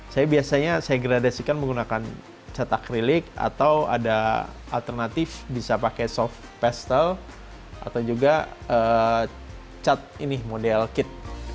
saya biasanya saya gradasikan menggunakan cat akrilik atau ada alternatif bisa pakai soft pastel atau juga cat ini model kit